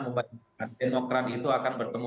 membandingkan demokrat itu akan bertemu